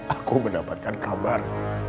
aku mendapatkan kabar